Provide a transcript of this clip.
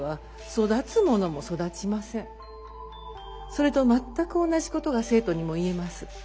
それと全く同じことが生徒にも言えます。